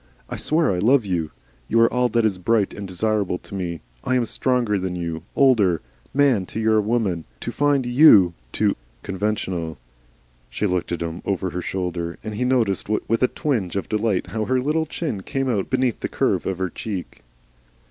I swear I love you. You are all that is bright and desirable to me. I am stronger than you, older; man to your woman. To find YOU too conventional!" She looked at him over her shoulder, and he noticed with a twinge of delight how her little chin came out beneath the curve of her cheek.